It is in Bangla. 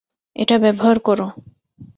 এটা ব্যবহার করো।